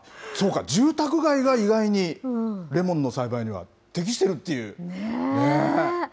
そうか、住宅街が意外にレモンの栽培には適しているっていうねぇ。